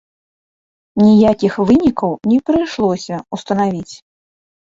Ніякіх вынікаў не прыйшлося ўстанавіць.